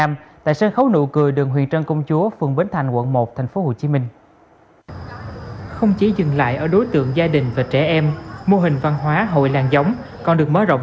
mô hình văn hóa hội làng giống còn được mở rộng